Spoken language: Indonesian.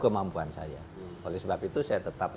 kemampuan saya oleh sebab itu saya tetap